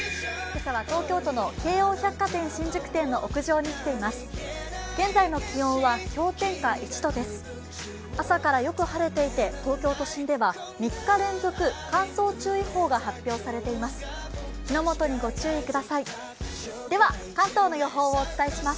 朝からよく晴れていて、東京都心では３日連続乾燥注意報が発表されています。